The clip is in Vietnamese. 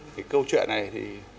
cái câu chuyện này thì